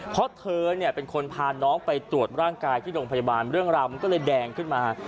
เพราะเธอเนี่ยเป็นคนพาน้องไปตรวจร่างกายที่โรงพยาบาลเรื่องราวมันก็เลยแดงขึ้นมา